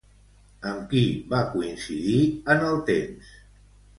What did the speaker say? Amb qui va coincidir en el temps?